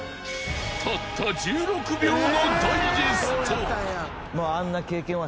［たった１６秒のダイジェスト］